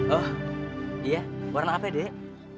oh iya warna apa dek